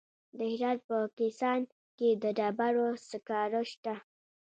د هرات په کهسان کې د ډبرو سکاره شته.